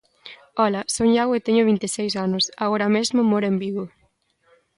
Ola, son Iago e teño vinteseis anos, agora mesmo moro en Vigo